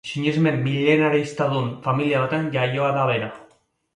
Sinesmen milenaristadun familia batean jaioa da bera.